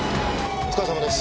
お疲れさまです。